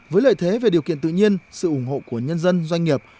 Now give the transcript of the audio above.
với lợi thế về điều kiện tự nhiên sự ủng hộ của nhân dân doanh nghiệp